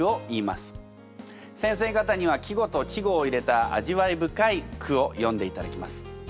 先生方には季語と稚語を入れた味わい深い句を詠んでいただきます。